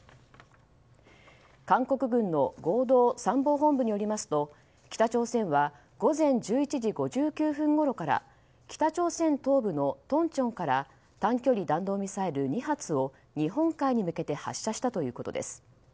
韓国軍の合同参謀本部によりますと北朝鮮は午前１１時５９分ごろから北朝鮮東部のトンチョンから短距離弾道ミサイル２発を日本海に向けて発射したということです。